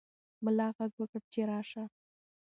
ملا غږ وکړ چې راشه.